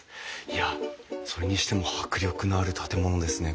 いやそれにしても迫力のある建物ですね。